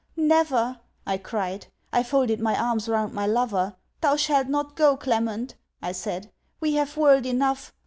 never!' I cried. I folded my arms round my lover 'Thou shalt not go, Clement,' I said. 'We have world enough.